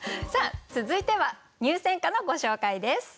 続いては入選歌のご紹介です。